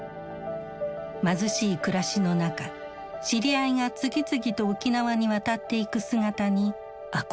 貧しい暮らしの中知り合いが次々と沖縄に渡っていく姿に憧れを抱いた。